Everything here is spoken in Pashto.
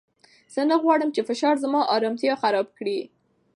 زه نه غواړم چې فشار زما ارامتیا خراب کړي.